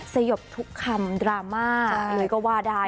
สยบทุกคำดราม่าหรือก็ว่าได้นะ